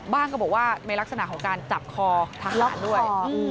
ก็บอกว่าในลักษณะของการจับคอทหารด้วย